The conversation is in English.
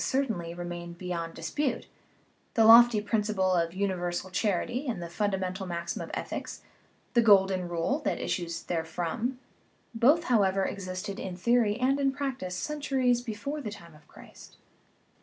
313 THE RIDDLE OF THE UNIVERSE tainly, remain beyond dispute the lofty principle of universal charity and the fundamental maxim of ethics, the * golden rule/' that issues therefrom; both, how ever, existed in theory and in practice centuries before the time of Christ (cf.